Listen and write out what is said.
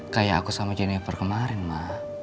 kayak aku sama jennifer kemarin mah